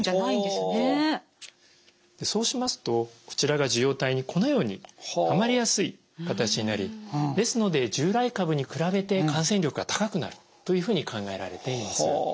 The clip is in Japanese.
そうしますとこちらが受容体にこのようにはまりやすい形になりですので従来株に比べて感染力が高くなるというふうに考えられています。